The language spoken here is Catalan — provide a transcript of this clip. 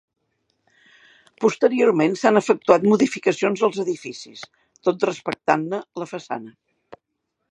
Posteriorment s'han efectuat modificacions als edificis, tot respectant-ne la façana.